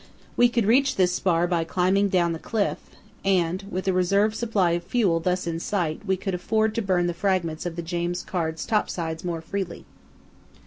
We could reach this spar by climbing down the cliff, and with a reserve supply of fuel thus in sight we could afford to burn the fragments of the James Caird's topsides more freely.